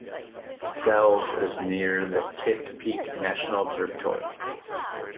Sells is near the Kitt Peak National Observatory.